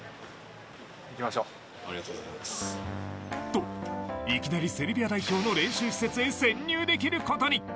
と、いきなりセルビア代表の練習施設へ潜入できることに。